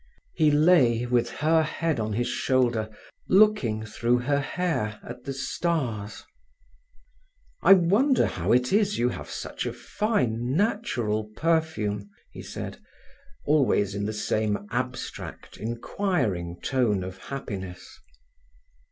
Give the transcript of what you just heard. He lay, with her head on his shoulder looking through her hair at the stars. "I wonder how it is you have such a fine natural perfume," he said, always in the same abstract, inquiring tone of happiness.